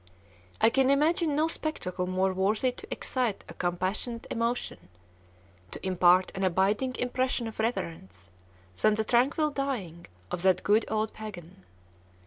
I can imagine no spectacle more worthy to excite a compassionate emotion, to impart an abiding impression of reverence, than the tranquil dying of that good old "pagan."